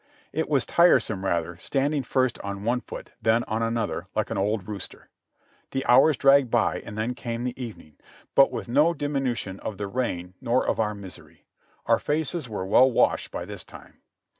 It was tiresome rather, standing first on one foot then on another, like an old rooster. The hours dragged by and then came the evening, but with no diminution of the rain nor of our misery ; our faces were well washed by this time.